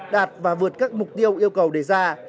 đạt và vượt các mục tiêu yêu cầu đề ra